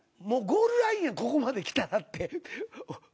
もうゴールラインやここまできたらって。